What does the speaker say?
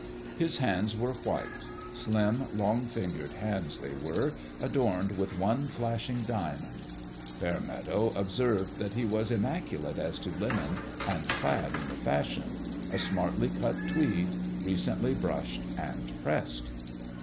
His hands were white : slim, long fingered hands, they were, adorned with one flashing diamond. Fairmeadow observed that he was immaculate as to linen and clad in the fashion a smartly cut tweed, recently brushed and pressed.